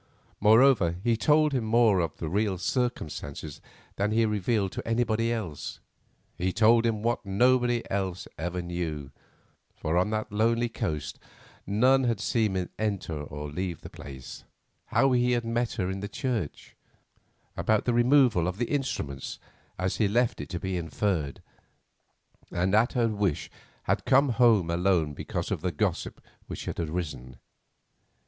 Moreover, he told him more of the real circumstances than he revealed to anybody else. He told him what nobody else ever knew, for on that lonely coast none had seen him enter or leave the place, how he had met her in the church—about the removal of the instruments, as he left it to be inferred—and at her wish had come home alone because of the gossip which had arisen.